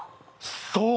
そう！